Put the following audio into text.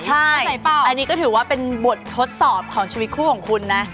ใช่เปล่าอันนี้ก็ถือว่าเป็นบททดสอบของชีวิตคู่ของคุณนะ